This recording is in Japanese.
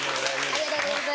ありがとうございます。